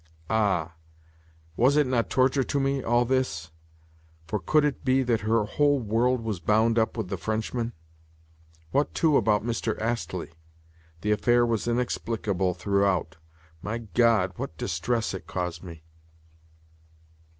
Ah, was it not torture to me, all this? For could it be that her whole world was bound up with the Frenchman? What, too, about Mr. Astley? The affair was inexplicable throughout. My God, what distress it caused me!